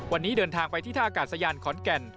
วันนี้เดินทางไปที่ท่าอากาศยานขอนแก่น